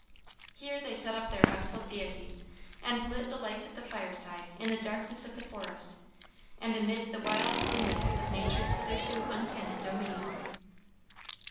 Here they set up their household deities, and lit the lights of the fireside in the darkness of the forest, and amid the wild loneliness of nature's hitherto untended domain.